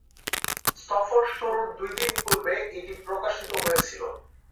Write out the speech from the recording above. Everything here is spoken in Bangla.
সফর শুরুর দুইদিন পূর্বে এটি প্রকাশিত হয়েছিল।